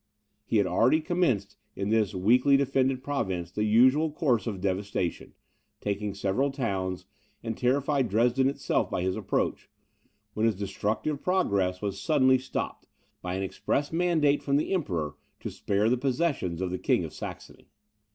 He had already commenced in this weakly defended province the usual course of devastation, taken several towns, and terrified Dresden itself by his approach, when his destructive progress was suddenly stopped, by an express mandate from the Emperor to spare the possessions of the King of Saxony.